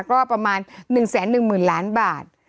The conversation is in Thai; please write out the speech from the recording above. ก็ประมาณ๑แสน๑หมื่นล้านบาท